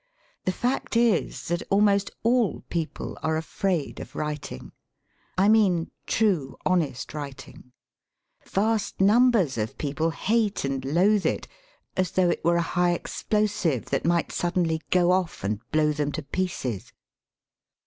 The fact is that almost all people are afraid of writing — I mean true, honest writing. Vast num bers of people hate and loathe it, as though it were a high explosive that might suddenly go off and blow them to pieces.